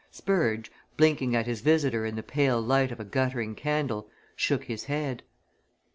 Spurge, blinking at his visitor in the pale light of a guttering candle, shook his head.